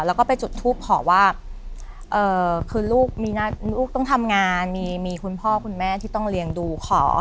แล้วก็ไปจุดทูปขอว่าคือลูกมีลูกต้องทำงานมีคุณพ่อคุณแม่ที่ต้องเลี้ยงดูขอ